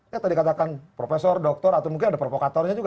ya tadi katakan profesor doktor atau mungkin ada provokatornya juga